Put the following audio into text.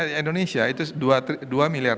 di indonesia itu dua miliar